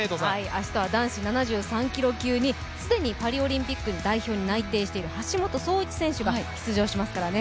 明日は男子７３キロ級に既にパリオリンピック代表に内定している橋本壮市選手が出場しますからね。